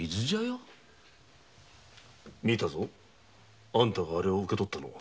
見たぞ。あんたがアレを受け取ったのを。